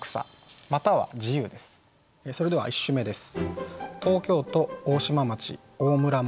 それでは１首目です。